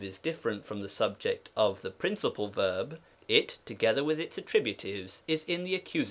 is different from the subject of the principal verb, it together with its attributives is in the Accus.